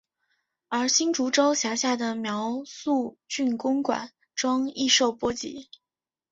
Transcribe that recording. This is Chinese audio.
而新竹州辖下的苗栗郡公馆庄亦受波及。